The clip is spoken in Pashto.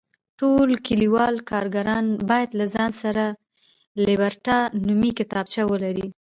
ټول کلیوالي کارګران باید له ځان سره لیبرټا نومې کتابچه ولري.